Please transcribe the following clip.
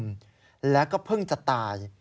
มีอาการซึมและก็เพิ่งจะตาย